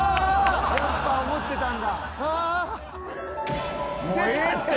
やっぱ思ってたんだ。